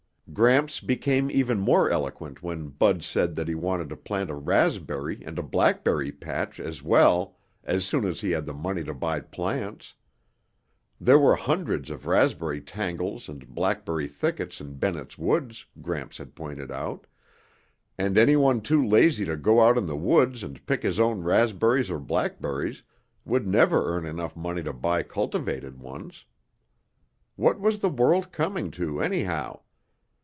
Gramps became even more eloquent when Bud said that he wanted to plant a raspberry and a blackberry patch as well as soon as he had the money to buy plants. There were hundreds of raspberry tangles and blackberry thickets in Bennett's Woods, Gramps had pointed out, and anyone too lazy to go out in the woods and pick his own raspberries or blackberries would never earn enough money to buy cultivated ones. What was the world coming to, anyhow?